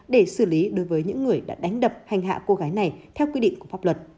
để xử lý đối với những người đã đánh đập hành hạ cô gái này theo quy định của pháp luật